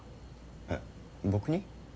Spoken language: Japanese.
えっ僕に？